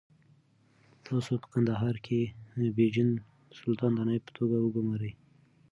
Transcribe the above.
تاسو په کندهار کې بېجن سلطان د نایب په توګه وګمارئ.